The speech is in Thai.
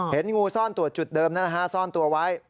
เห็นงูซ่อนตัวจุดเดิมนะฮะซ่อนตัวไว้